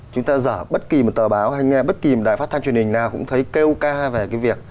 chúng ta dở bất kỳ một tờ báo hay nghe bất kỳ một đài phát thanh truyền hình nào cũng thấy kêu ca về cái việc